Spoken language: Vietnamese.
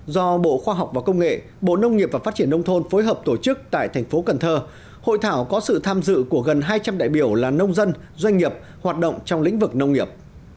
do bộ khoa học và công nghệ bộ nông nghiệp và phát triển nông thôn phối hợp tổ chức tại thành phố cần thơ hội thảo có sự tham dự của gần hai trăm linh đại biểu là nông dân doanh nghiệp hoạt động trong lĩnh vực nông nghiệp